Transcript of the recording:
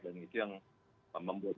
dan itu yang membuatnya